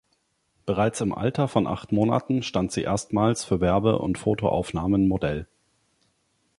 Bereits im Alter von acht Monaten stand sie erstmals für Werbe- und Fotoaufnahmen Modell.